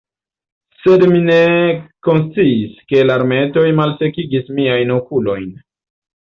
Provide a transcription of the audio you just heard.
Sed mi ne konsciis, ke larmetoj malsekigis miajn okulojn.